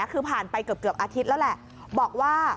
คือผ่านไปเกือบอาทิตย์แล้วแหละบอกว่า